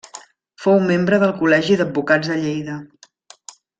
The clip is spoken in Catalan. Fou membre del Col·legi d'Advocats de Lleida.